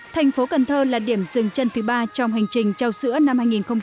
thành phố cần thơ là điểm dừng chân thứ ba trong hành trình trao sữa năm hai nghìn một mươi chín